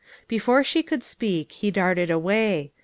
Before she could speak, he darted away.